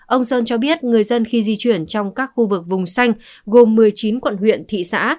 ông sơn cho biết người dân khi di chuyển trong các khu vực vùng xanh gồm một mươi chín quận huyện thị xã